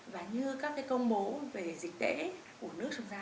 và như các công bố về dịch tễ của nước chúng ta